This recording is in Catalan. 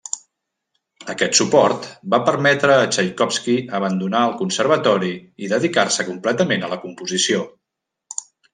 Aquest suport va permetre a Txaikovski abandonar el conservatori i dedicar-se completament a la composició.